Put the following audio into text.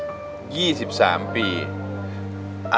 ทั้งในเรื่องของการทำงานเคยทำนานแล้วเกิดปัญหาน้อย